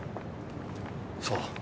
そう。